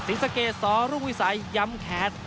ศรีสะเกสสอลูกวิสัยยำแขด